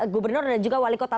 gubernur dan juga wali kota